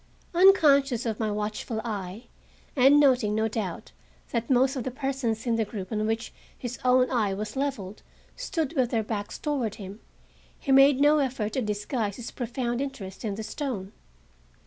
Unconscious of my watchful eye, and noting, no doubt, that most of the persons in the group on which his own eye was leveled stood with their backs toward him, he made no effort to disguise his profound interest in the stone.